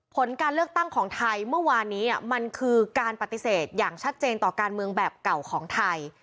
ผลการเลือกตั้งของไทยเมื่อวานนี้มันคือการปฏิเสธอย่างชัดเจนต่อการเมืองแบบเก่าของไทย